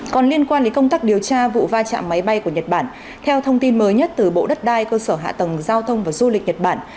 còn liên quan đến công tác điều tra vụ va chạm máy bay của nhật bản theo thông tin mới nhất từ bộ đất đai cơ sở hạ tầng giao thông và du lịch nhật bản